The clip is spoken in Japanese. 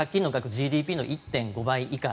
ＧＤＰの１．５倍以下。